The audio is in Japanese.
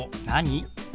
「何？」。